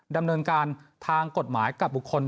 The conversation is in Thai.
ดำเนินการทางกฎหมายกับบุคคล